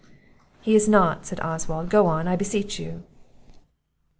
"He is not," said Oswald; "go on, I beseech you!"